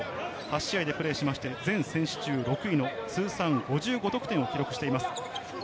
８試合でプレーして、全選手中６位の通算５５得点を記録しています。